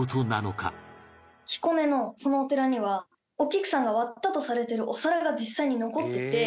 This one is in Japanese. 彦根のそのお寺にはお菊さんが割ったとされてるお皿が実際に残っていて。